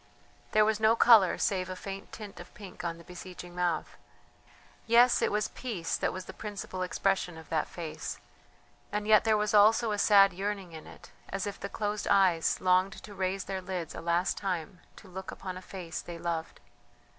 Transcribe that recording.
There was no colour save a faint tint of pink on the beseeching mouth. Yes, it was peace that was the principal expression of that face, and yet there was also a sad yearning in it, as if the closed eyes longed to raise their lids a last time to look upon a face they loved....